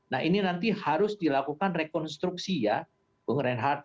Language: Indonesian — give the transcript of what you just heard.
nah ini nanti harus dilakukan rekonstruksi ya bung reinhardt